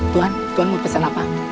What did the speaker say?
tuhan tuhan mau pesan apa